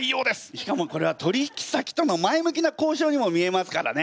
しかもこれは取引先との前向きな交渉にも見えますからね。